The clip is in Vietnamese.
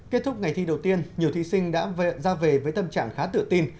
kết thúc ngày thi đầu tiên nhiều thí sinh đã ra về với tâm trạng khá tự tin